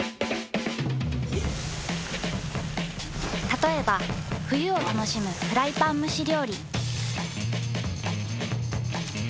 たとえば冬を楽しむフライパン蒸し料理。